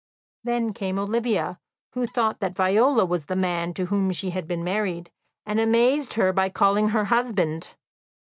Then came Olivia, who thought that Viola was the man to whom she had been married, and amazed her by calling her "husband."